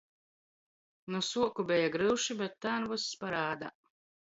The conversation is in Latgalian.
Nu suoku beja gryuši, bet tān vyss parādā.